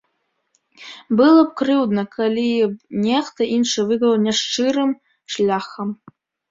Было б крыўдна, калі б нехта іншы выйграў няшчырым шляхам.